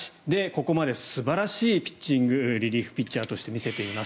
ここまで素晴らしいピッチングリリーフピッチャーとして見せています。